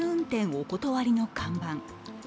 お断りの看板。